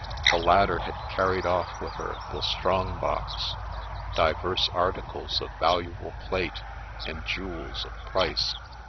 The latter had carried of? with her the strong box, divers articles of valuable plate, and jewels of price.